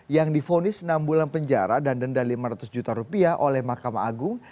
yang difonis enam bulan penjara dan denda lima ratus juta rupiah oleh mahkamah agung